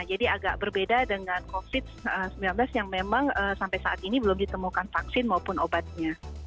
jadi agak berbeda dengan covid sembilan belas yang memang sampai saat ini belum ditemukan vaksin maupun obatnya